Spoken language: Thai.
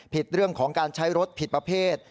เรื่องของการใช้รถผิดประเภท